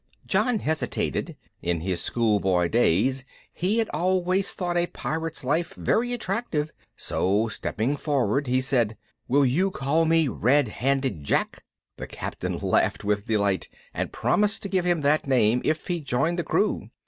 John hesitated. In his schoolboy days he had always thought a pirate's life very attractive, so stepping forward, he said: "Will you call me Red handed Jack?" The Captain laughed with delight, and promised to give him that name if he joined the crew.